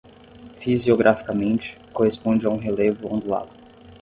Fisiograficamente, corresponde a um relevo ondulado.